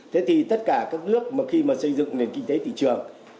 thế thì tất cả các nước khi xây dựng nền kinh tế thị trường